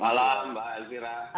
malam mbak elvira